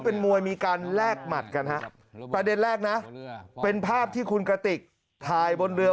เป็นมวยมีการแลกหมัดกันฮะประเด็นแรกนะเป็นภาพที่คุณกระติกถ่ายบนเรือ